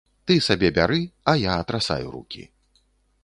Ты сабе бяры, а я атрасаю рукі.